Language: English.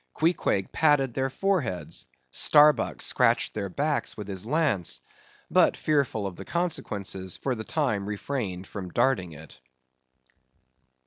Queequeg patted their foreheads; Starbuck scratched their backs with his lance; but fearful of the consequences, for the time refrained from darting it.